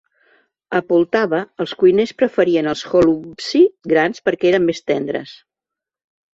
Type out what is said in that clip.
A Poltava, els cuiners preferien els holubtsi grans perquè eren més tendres.